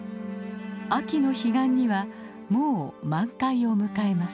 秋の彼岸にはもう満開を迎えます。